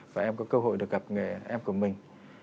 và em có cơ hội được gặp nghề em của mình